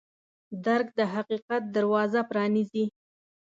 درک د حقیقت دروازه پرانیزي.